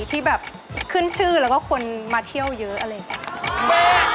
ที่แบบขึ้นชื่อแล้วก็คนมาเที่ยวเยอะอะไรอย่างนี้